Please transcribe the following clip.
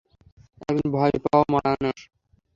একজন ভয় পাওয়া মানুষ।